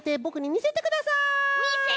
みせて！